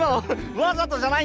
わざとじゃない！